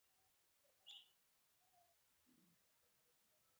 د بدن جوړښت یې د ژوند له چاپېریال سره برابر شو.